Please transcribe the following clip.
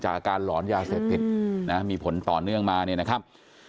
อาการหลอนยาเสพติดนะมีผลต่อเนื่องมาเนี่ยนะครับ